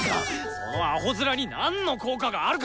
そのアホ面に何の効果があるか！